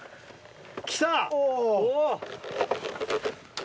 来た！